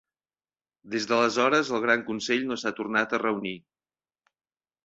Des de l'aleshores el Gran Consell no s'ha tornat a reunir.